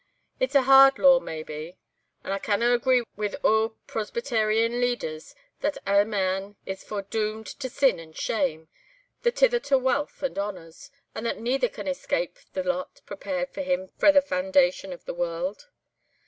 It's a hard law maybe, and I canna agree with oor Presbyterian elders, that ae man is foredoomed to sin and shame, the tither to wealth and honours, and that neither can escape the lot prepared for him frae the foundation of the warld!